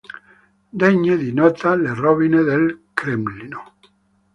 Degne di nota le rovine del Cremlino.